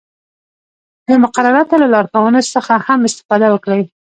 د مقرراتو له لارښوونو څخه هم استفاده وکړئ.